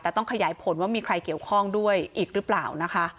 แต่ต้องขยายผลว่ามีใครเกี่ยวข้องด้วยอีกหรือเปล่านะคะ